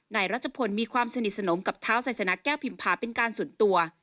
รัชพลมีความสนิทสนมกับเท้าไซสนาแก้วพิมพาเป็นการส่วนตัว